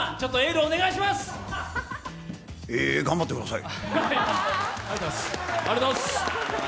え、頑張ってください。